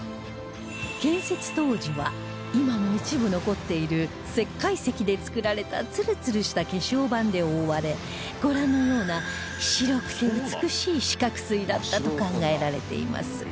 建設当時は今も一部残っている石灰石で造られたツルツルした化粧板で覆われご覧のような白くて美しい四角錐だったと考えられています